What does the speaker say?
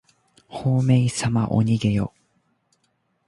ほうめいさまおにげよ。